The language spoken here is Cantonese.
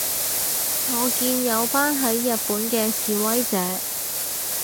我見有班喺日本嘅示威者